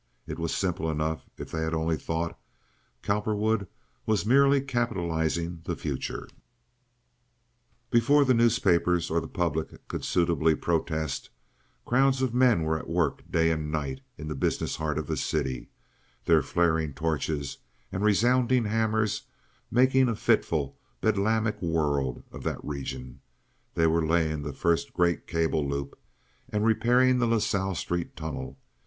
It was simple enough if they had only thought. Cowperwood was merely capitalizing the future. Before the newspapers or the public could suitably protest, crowds of men were at work day and night in the business heart of the city, their flaring torches and resounding hammers making a fitful bedlamic world of that region; they were laying the first great cable loop and repairing the La Salle Street tunnel.